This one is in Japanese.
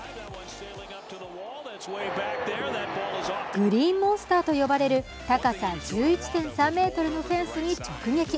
グリーンモンスターと呼ばれる高さ１１．３ｍのフェンスに直撃。